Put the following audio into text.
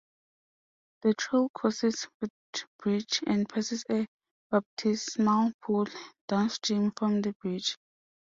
The trail crosses footbridges and passes a baptismal pool, downstream from the bridge.